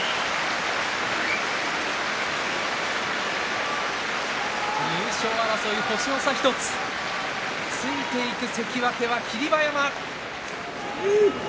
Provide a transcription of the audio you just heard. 拍手優勝争い、星の差１つついていく関脇は霧馬山。